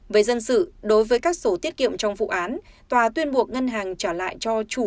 về dân sự đối với các sổ tiết kiệm trong vụ án tòa tuyên buộc ngân hàng trả lại cho chủ